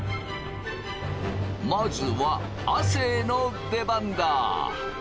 まずは亜生の出番だ！